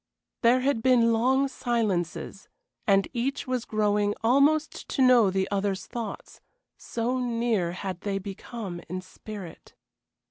There had been long silences, and each was growing almost to know the other's thoughts so near had they become in spirit.